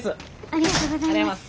ありがとうございます。